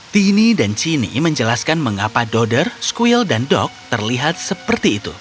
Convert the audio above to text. tini dan cini menjelaskan mengapa dodder squill dan dog terlihat seperti itu